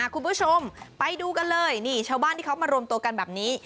คุณผู้ชมไปดูกันเลยนี่ชาวบ้านที่เขามารวมตัวกันแบบนี้